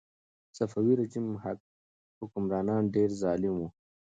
د صفوي رژیم حکمرانان ډېر ظالم وو.